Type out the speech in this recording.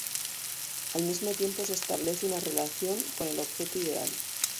Al mismo tiempo se establece una relación con el objeto ideal.